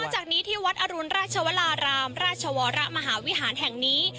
จากนี้ที่วัดอรุณราชวรารามราชวรมหาวิหารแห่งนี้